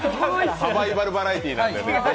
サバイバルバラエティーになってる。